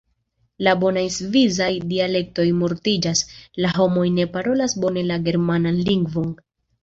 La bonaj svisaj dialektoj mortiĝas, la homoj ne parolas bone la germanan lingvon.